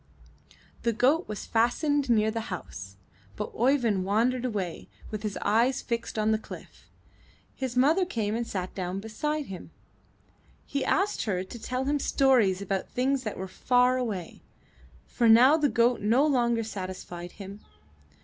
The goat was fastened near the house, but Oeyvind wandered away, with his eyes fixed on the cliff. His mother came and sat down beside him; he asked her to tell him stories about things that were far away, for now the goat no longer satisfied him.